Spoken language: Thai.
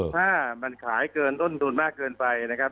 ถ้ามันขายเกินต้นทุนมากเกินไปนะครับ